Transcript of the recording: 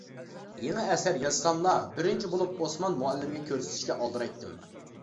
يېڭى ئەسەر يازساملا بىرىنچى بولۇپ ئوسمان مۇئەللىمگە كۆرسىتىشكە ئالدىرايتتىم.